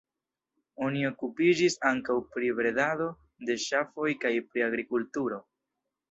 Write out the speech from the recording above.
Oni okupiĝis ankaŭ pri bredado de ŝafoj kaj pri agrikulturo.